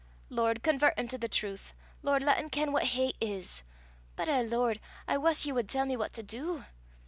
Lord, convert him to the trowth. Lord, lat him ken what hate is. But eh, Lord! I wuss ye wad tell me what to du.